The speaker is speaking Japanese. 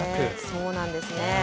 そうなんですね。